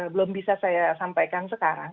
belum bisa saya sampaikan sekarang